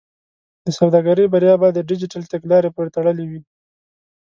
د سوداګرۍ بریا به د ډیجیټل تګلارې پورې تړلې وي.